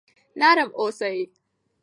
نرم اوسئ.